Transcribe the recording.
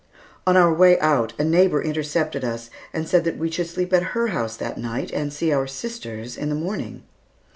On our way out, a neighbor intercepted us and said that we should sleep at her house that night and see our sisters in the morning.